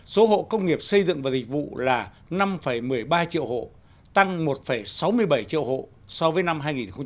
số hộ công nghiệp xây dựng và dịch vụ là năm một mươi ba triệu hộ tăng một sáu mươi bảy triệu hộ so với năm hai nghìn một mươi chín